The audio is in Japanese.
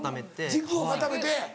軸を固めて。